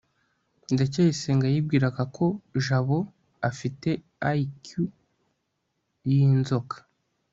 ndacyayisenga yibwiraga ko jabo afite iq yinzoka